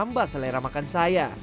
tambah selera makan saya